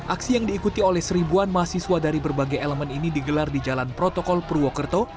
aksi yang diikuti oleh seribuan mahasiswa dari berbagai elemen ini digelar di jalan protokol purwokerto